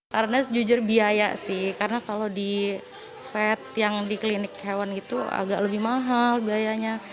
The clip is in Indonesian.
karena sejujur biaya sih karena kalau di vet yang di klinik hewan itu agak lebih mahal biayanya